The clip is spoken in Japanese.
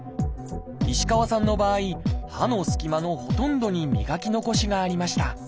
石川さんの場合歯のすき間のほとんどに磨き残しがありました。